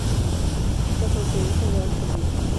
Está fronteriza del Alto Rin.